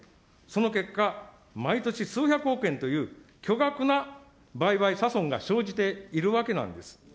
その結果、毎年数百億円という巨額な売買差損が生じているわけなんです。